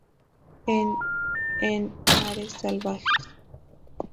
En "En mares salvajes.